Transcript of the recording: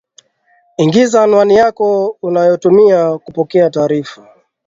ingiza anwani yako unayotumia kupokea taarifa